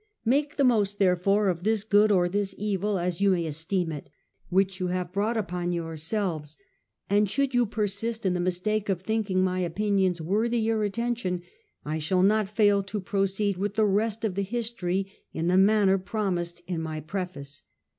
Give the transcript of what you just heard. Make the most, therefore, of this good or this evil, as you may esteem it, which you have brought upon yourselves; and should you persist in the mistake of thinking my opinions worthy your attention, I shall not fail to proceed with the rest of the History in the manner promised in my Preface.